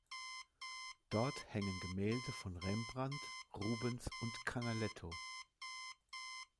Dort hängen Gemälde von Rembrandt, Rubens und Canaletto.